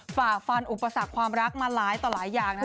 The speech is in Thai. ฝ่าฟันอุปสรรคความรักมาหลายต่อหลายอย่าง